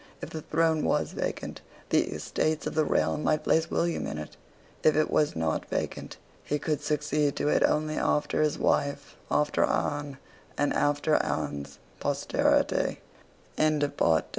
If the throne was vacant, the Estates of the Realm might place William in it. If it was not vacant, he could succeed to it only after his wife, after Anne, and after Anne's posterity.